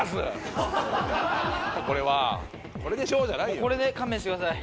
もうこれで勘弁してください。